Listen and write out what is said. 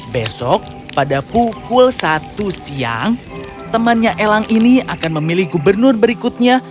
besok pada pukul satu siang temannya elang ini akan memilih gubernur berikutnya